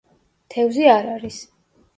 თევზი არ არის.